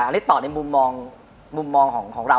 เล็กต่อในมุมมองของเราดีกว่า